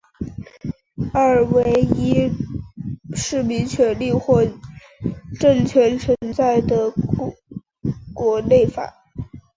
二为依市民权利或政权存在的国内法。